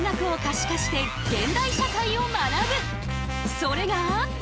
それが。